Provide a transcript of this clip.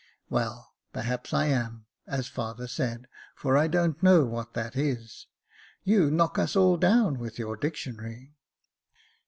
" Well, perhaps I am, as father said, for I don't know what that is. You knock us all down with your dictionary."